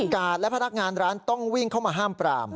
กาดและพนักงานร้านต้องวิ่งเข้ามาห้ามปราม